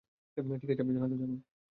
ঠিক আছে, জানাতে থাকো।